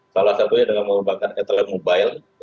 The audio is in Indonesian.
salah satunya dengan mengembangkan atle mobile